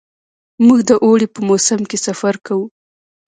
موږ د اوړي په موسم کې سفر کوو.